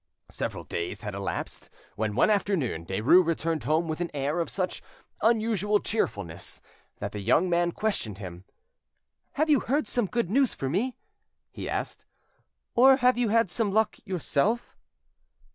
Several days had elapsed, when one afternoon Derues returned home with an air of such unusual cheerfulness that the young man questioned him. "Have you heard some good news for me?" he asked, "or have you had some luck yourself?"